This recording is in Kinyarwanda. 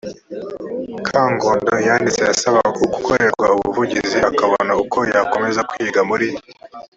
kangondo yanditse asaba gukorerwa ubuvugizi akabona uko yakomeza kwiga muri